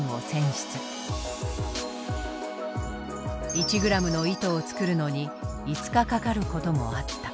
１ｇの糸を作るのに５日かかることもあった。